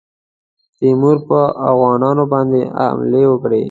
تیمور پر اوغانیانو باندي حملې وکړې.